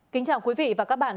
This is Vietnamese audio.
kính chào quý vị và các bạn